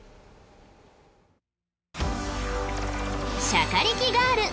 『しゃかりき×ガール』